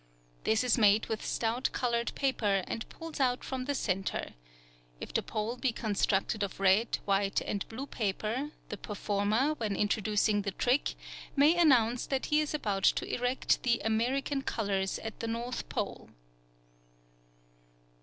—This is made with stout colored paper, and pulls out from the center. If the pole be constructed of red, white and blue paper the performer, when introducing the trick, may announce that he is about to erect the American Colors at the North Pole.